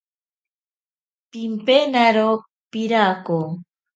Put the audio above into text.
Pimpenaro pirako.